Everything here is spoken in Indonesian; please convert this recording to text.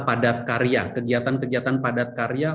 padatkarya kegiatan kegiatan padatkarya